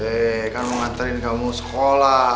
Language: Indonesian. eh kan mau nganterin kamu sekolah